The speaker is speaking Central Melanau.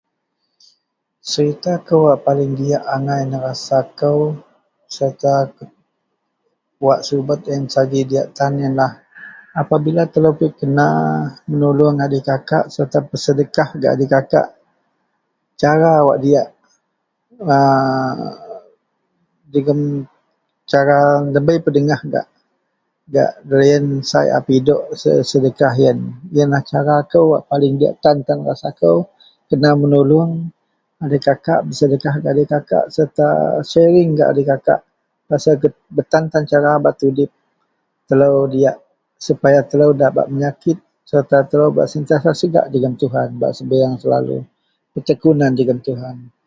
Serita kou wak paling diyak angai nerasa kou sereta wak subet yen saji diyak tan yenlah apabila telou pikena menuluong dikakak sereta pesedekah gak dikakak, cara wak diyak[aaa] jegem cara ndabei pedengah gak, gak deloyen sai a pidok sesedekah yen. Yenlah cara kou wak paling diyak tan rasa kou kena menuluong adikakak pesedekah gak adikakak serta sharing gak adikakak pasel betan-tan cara bak tudip telou diyak supaya telou nda bak menyakit sereta telou bak sentiasa segak jegem Tuhan, bak sebiyeang selalu, petekunan jegem Tuhan